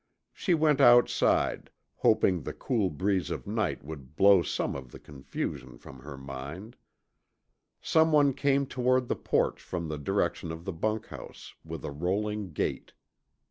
She went outside, hoping the cool breeze of night would blow some of the confusion from her mind. Someone came toward the porch from the direction of the bunkhouse with a rolling gait.